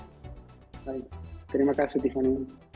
baik terima kasih tiffany